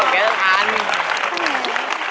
โอเคอันนี้